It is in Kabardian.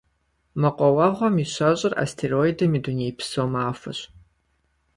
Мэкъуауэгъуэм и щэщIыр Астероидым и дунейпсо махуэщ.